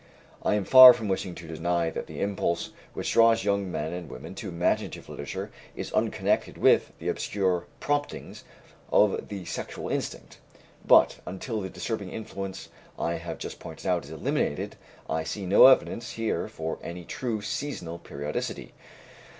I am far from wishing to deny that the impulse which draws young men and women to imaginative literature is unconnected with the obscure promptings of the sexual instinct. But, until the disturbing influence I have just pointed out is eliminated, I see no evidence here for any true seasonal periodicity.